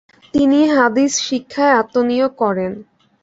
তিনি হাদীস শিক্ষায় আত্মনিয়োগ করেন ।